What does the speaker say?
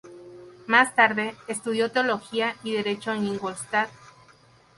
Más tarde, estudió teología y derecho en Ingolstadt.